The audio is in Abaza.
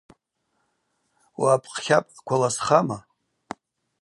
Уъапӏкъ-тлапӏкъква ласхама?